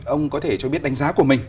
ông có thể cho biết đánh giá của mình